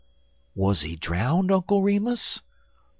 "Was he drowned, Uncle Remus?"